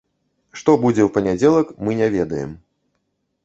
Што будзе ў панядзелак, мы не ведаем.